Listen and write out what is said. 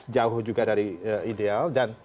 jauh juga dari ideal dan